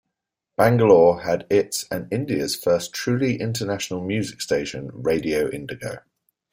Bangalore had its and India's first truly international music station Radio Indigo.